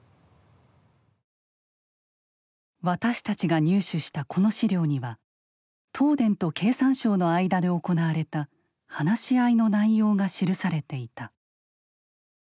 私たちが入手したこの資料には東電と経産省の間で行われた話し合いの内容が記されていた。